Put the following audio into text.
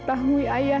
mas prabu yang papa